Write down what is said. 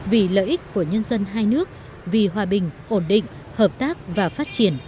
vì lợi ích của nhân dân hai nước vì hòa bình ổn định hợp tác và phát triển